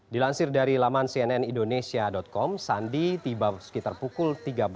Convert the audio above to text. dilansir dari laman cnnindonesia com sandi tiba sekitar pukul tiga belas